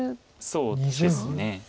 そうですね。